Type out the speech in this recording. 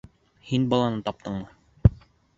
Һин... баланы... таптыңмы?